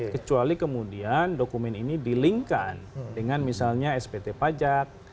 kecuali kemudian dokumen ini di link kan dengan misalnya spt pajak